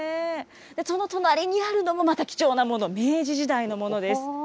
その隣にあるのも、また貴重なもの、明治時代のものです。